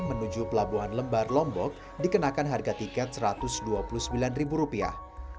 menuju pelabuhan lembar lombok dikenakan harga tiket satu ratus dua puluh sembilan ribu rupiah